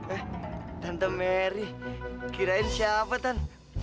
eh tante merry kirain siapa tan